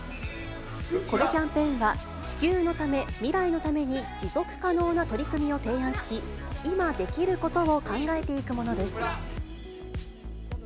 このキャンペーンは、地球のため、未来のために持続可能な取り組みを提案し、今できることを考えていくものです。